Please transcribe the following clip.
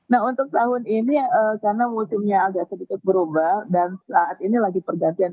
nah untuk tahun ini karena musimnya agak sedikit berubah dan saat ini lagi pergantian